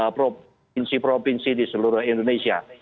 provinsi provinsi di seluruh indonesia